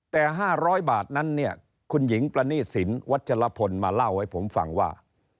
แต่๕๐๐บาทนั้นเนี่ยคุณหญิงประณีสินวัชลพลมาเล่าให้ผมฟังว่า